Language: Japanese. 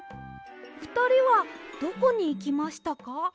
ふたりはどこにいきましたか？